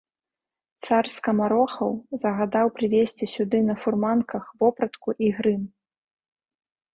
Цар скамарохаў загадаў прывесці сюды на фурманках вопратку і грым.